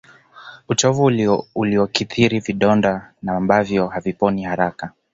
uchovu uliokithiri vidonda na ambavyo haviponi haraka